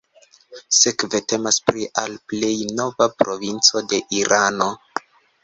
Sekve temas pri al plej nova provinco de Irano.